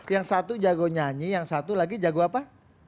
yang satu jago nyanyi yang satu lagi jago apa